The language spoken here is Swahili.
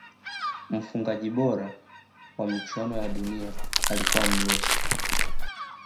mfungaji bora wa michuano ya duniani ya alikuwa mrusi